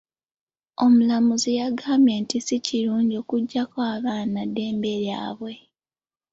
Omulamuzi yagambye nti si kirungi okuggyako abaana dembe lyabwe.